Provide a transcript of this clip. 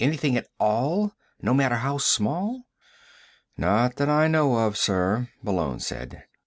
Anything at all, no matter how small?" "Not that I know of, sir," Malone said.